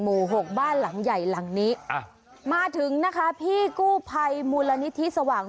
หกบ้านหลังใหญ่หลังนี้อ่ะมาถึงนะคะพี่กู้ภัยมูลนิธิสว่าง